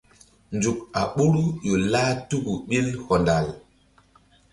Nzuk a ɓoru ƴo lah tuku ɓil hɔndal.